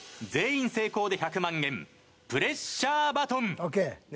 全員成功で１００万円プレッシャーバトン。